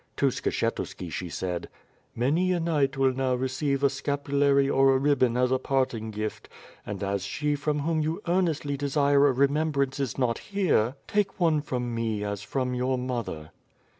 To Skshetuski she said: "Many a knight will now receive a scapulary or a ribbon as a parting gift; and, as she from whom you earnestly desire a remembrance is not here, take one from me as from your mother."